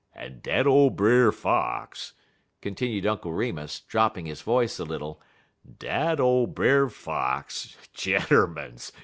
"En dat ole Brer Fox," continued Uncle Remus, dropping his voice a little, "dat ole Brer Fox, gentermens!